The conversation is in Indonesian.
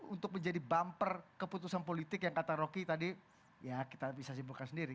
untuk menjadi bumper keputusan politik yang kata rocky tadi ya kita bisa simpulkan sendiri